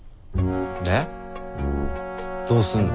でどうすんの？